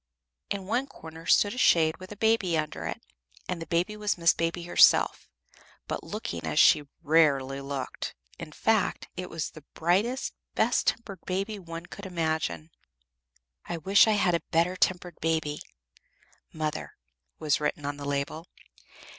In one corner stood a shade with a baby under it, and the baby was Miss Baby herself, but looking as she very rarely looked; in fact, it was the brightest, best tempered baby one could imagine." "I wish I had a better tempered baby. Mother," was written on the label.